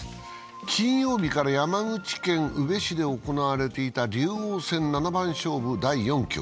金曜日から山口県宇部市で行われていた竜王戦七番勝負第４局。